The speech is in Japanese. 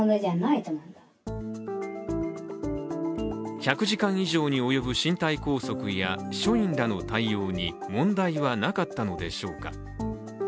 １００時間以上に及ぶ身体拘束や署員らの対応に問題はなかったのでしょうか。